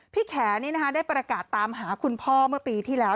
แขนี่นะคะได้ประกาศตามหาคุณพ่อเมื่อปีที่แล้ว